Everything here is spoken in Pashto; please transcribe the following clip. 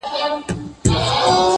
يار دي وي، د بل ديار دي وي.